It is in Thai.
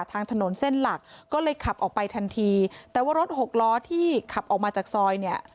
ทางถนนเส้นหลักก็เลยขับออกไปทันทีแต่ว่ารถหกล้อที่ขับออกมาจากซอยเนี่ย